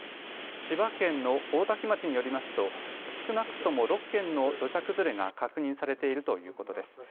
千葉県の大多喜町によりますと少なくとも６件の土砂崩れが確認されているということです。